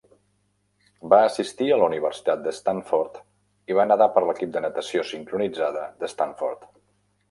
Va assistir a la Universitat de Stanford i va nedar per l'equip de natació sincronitzada de Stanford.